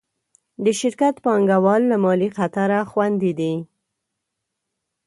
د شرکت پانګهوال له مالي خطره خوندي دي.